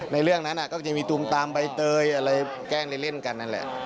เรื่องนั้นก็จะมีตูมตามใบเตยอะไรแกล้งเล่นกันนั่นแหละ